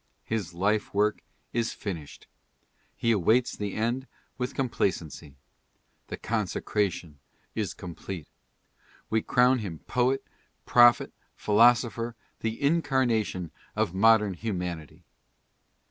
His life work is finished. He awaits the eiid with com placency. The consecration is complete. We crown him poet, prophet, philosopher, the incarnation of modern humanity.